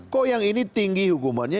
kok yang ini tinggi hukumannya